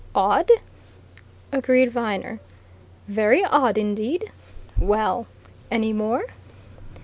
"Odd!" agreed Viner. "Very odd, indeed. Well any more?"